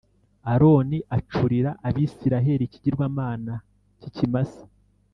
Aroni acurira Abisirayeli ikigirwamana cy ikimasa